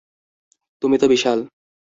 তুমি তো বিশাল।